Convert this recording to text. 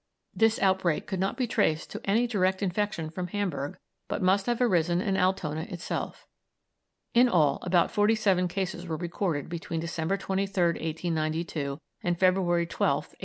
This outbreak could not be traced to any direct infection from Hamburg, but must have arisen in Altona itself. In all about forty seven cases were recorded between December 23rd, 1892, and February 12th, 1893.